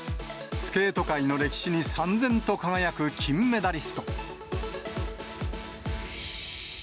スケート界の歴史にさん然と輝く金メダリスト。